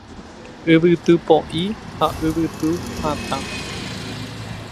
Yvytu po'i ha yvytu hatã